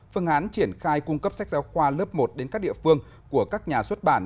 phương án triển khai cung cấp sách giáo khoa lớp một đến các địa phương của các nhà xuất bản